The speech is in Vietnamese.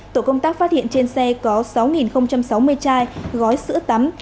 tổ công tác phát hiện trên xe có sáu sáu mươi chai gói sữa tắm